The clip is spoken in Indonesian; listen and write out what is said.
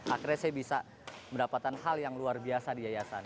akhirnya saya bisa mendapatkan hal yang luar biasa di yayasan